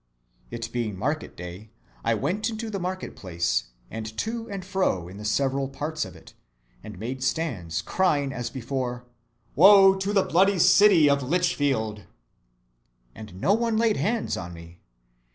It being market day, I went into the market‐place, and to and fro in the several parts of it, and made stands, crying as before, Wo to the bloody city of Lichfield! And no one laid hands on me.